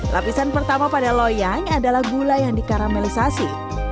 lapisan pertama pada loyang adalah gula yang dikaramelisasi